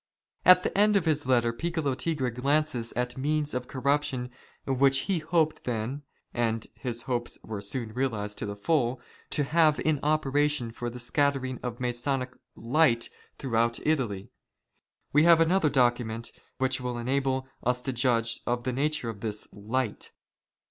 At the end of his letter, Piccolo Tigre glances at means of corruption which he hoped then — and his hopes were soon realized to the full — to have in operation for the scattering of Masonic " light " throughout Italy. We have another document which will enable us to judge of the nature of this " light."